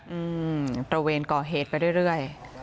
อืมตระเวนก่อเหตุไปเรื่อยเรื่อย